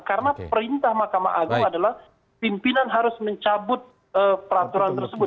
karena perintah mahkamah agung adalah pimpinan harus mencabut peraturan tersebut